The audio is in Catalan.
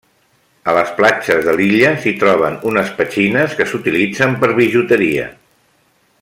A les platges de l'illa s'hi troben unes petxines que s'utilitzen per bijuteria.